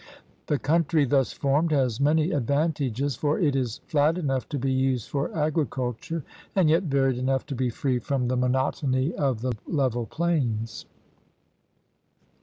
The country thus formed has many ad , vantages, for it is flat enough to be used for agricul ture and yet varied enough to be free from the monotony of the level plains.